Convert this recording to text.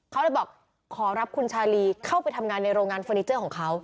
เขาเลยบอกขอรับคุณชาลีเข้าไปทำงานในโรงงานเฟอร์นิเจอร์ของเขา